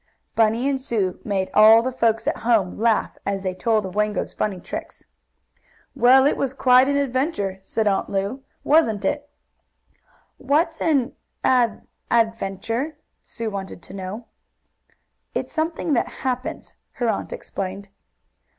Bunny and Sue made all the folks at home laugh, as they told of Wango's funny tricks. "Well, it was quite an adventure," said Aunt Lu, "wasn't it?" "What's an ad adventure?" Sue wanted to know. "It's something that happens," her aunt explained.